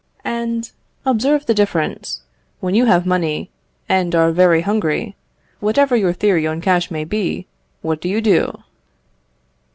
And observe the difference. When you have money, and are very hungry, whatever your theory on cash may be, what do you do?